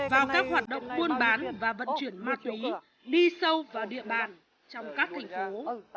vào các hoạt động buôn bán và vận chuyển ma túy đi sâu vào địa bàn trong các thành phố